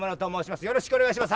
よろしくお願いします。